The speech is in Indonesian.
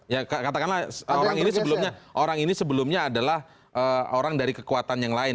ya katakanlah orang ini sebelumnya adalah orang dari kekuatan yang lain